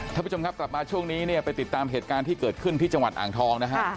ท่านผู้ชมครับกลับมาช่วงนี้เนี่ยไปติดตามเหตุการณ์ที่เกิดขึ้นที่จังหวัดอ่างทองนะฮะ